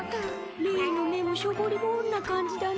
れいの目もしょぼりぼんな感じだね。